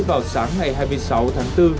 vào sáng ngày hai mươi sáu tháng bốn